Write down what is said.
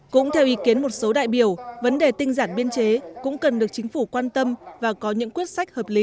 cũng theo ý kiến một số đại biểu vấn đề tinh giản biên chế cũng cần được chính phủ quan tâm và có những quyết sách hợp lý